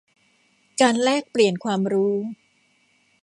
การแลกเปลี่ยนความรู้